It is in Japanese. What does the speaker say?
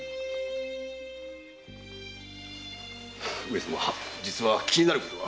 上様実は気になることが。